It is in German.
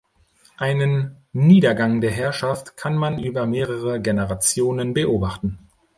Einen Niedergang der Herrschaft kann man über mehrere Generationen beobachten.